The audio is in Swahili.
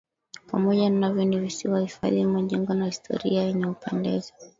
Pamoja navyo ni visiwa hifadhi majengo na historia yenye kupendeza